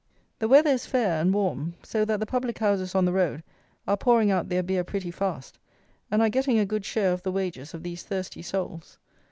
The weather is fair and warm; so that the public houses on the road are pouring out their beer pretty fast, and are getting a good share of the wages of these thirsty souls.